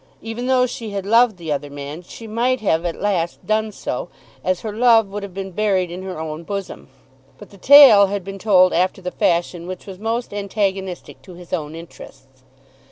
Even though she had loved the other man, she might have at last done so, as her love would have been buried in her own bosom. But the tale had been told after the fashion which was most antagonistic to his own interests.